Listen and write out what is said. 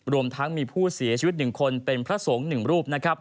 รวมทั้งมีผู้เสียชีวิต๑คนเป็นพระสงฆ์๑รูป